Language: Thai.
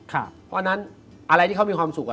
เพราะฉะนั้นอะไรที่เขามีความสุข